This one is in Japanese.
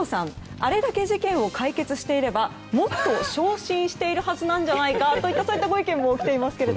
あれだけ事件を解決していればもっと昇進しているはずじゃないかとそういったご意見もありますけど。